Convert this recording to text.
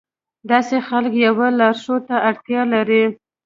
داسې خلک يوه لارښود ته اړتيا لري.